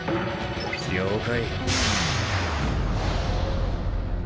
了解。